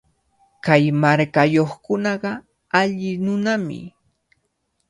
Kay markayuqkunaqa alli nunami.